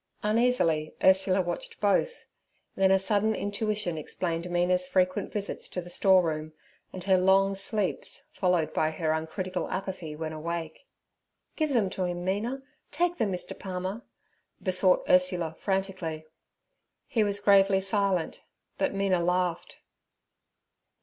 Uneasily Ursula watched both, then a sudden intuition explained Mina's frequent visits to the storeroom and her long sleeps, followed by her uncritical apathy when awake. 'Give them to him, Mina. Take them, Mr. Palmer' besought Ursula frantically. He was gravely silent, but Mina laughed.